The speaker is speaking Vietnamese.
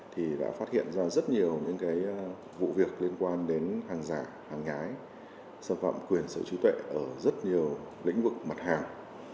thì đã phát hiện ra rất nhiều những vụ việc liên quan đến hàng giả hàng nhái xâm phạm quyền sở trí tuệ ở rất nhiều lĩnh vực mặt hàng